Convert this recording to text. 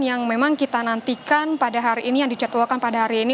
yang memang kita nantikan pada hari ini yang dijadwalkan pada hari ini